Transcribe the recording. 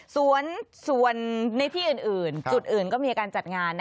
ส่วนที่บีบิตต์อื่นจุดอื่นก็มีการจัดงานนะคะ